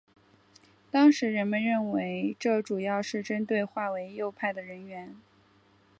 当时人们认为这主要是针对划为右派的人员。